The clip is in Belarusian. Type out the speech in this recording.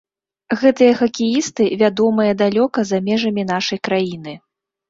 Гэтыя хакеісты вядомыя далёка за межамі нашай краіны.